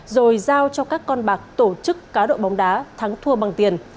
rồi giao cho các con bạc tổ chức cá độ bóng đá thắng thua bằng tiền